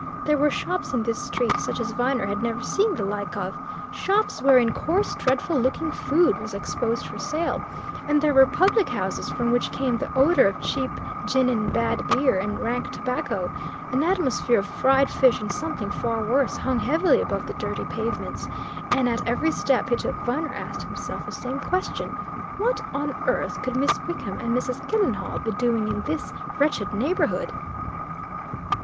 There were shops in this street such as Viner had never seen the like of shops wherein coarse, dreadful looking food was exposed for sale; and there were public houses from which came the odour of cheap gin and bad beer and rank tobacco; an atmosphere of fried fish and something far worse hung heavily above the dirty pavements, and at every step he took Viner asked himself the same question what on earth could Miss Wickham and Mrs. Killenhall be doing in this wretched neighbourhood?